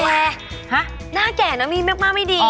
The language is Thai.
หน้าแก่นะมีมากไม่ดี